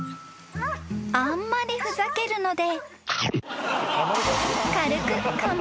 ［あんまりふざけるので］